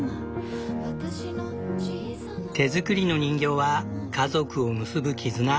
手作りの人形は家族を結ぶ絆。